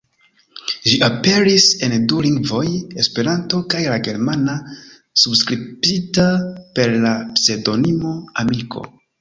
Ĝi aperis en du lingvoj: Esperanto kaj la germana, subskribita per la pseŭdonimo "Amiko".